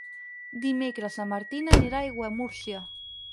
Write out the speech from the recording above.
Dimecres na Martina anirà a Aiguamúrcia.